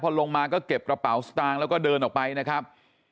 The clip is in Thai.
พอลงมาก็เก็บกระเป๋าสตางค์แล้วก็เดินออกไปนะครับ